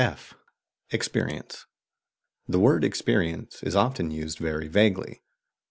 (f) EXPERIENCE. The word "experience" is often used very vaguely.